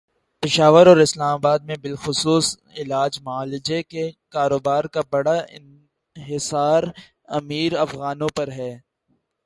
پشاور اور اسلام آباد میں بالخصوص علاج معالجے کے کاروبارکا بڑا انحصارامیر افغانوں پر ہے۔